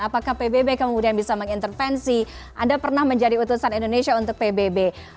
apakah pbb kemudian bisa mengintervensi anda pernah menjadi utusan indonesia untuk pbb